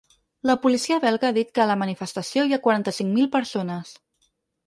La policia belga ha dit que a la manifestació hi ha quaranta-cinc mil persones.